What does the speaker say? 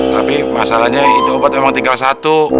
tapi masalahnya itu obat memang tinggal satu